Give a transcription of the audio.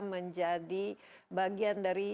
menjadi bagian dari